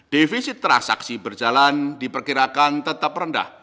defisit transaksi berjalan diperkirakan tetap rendah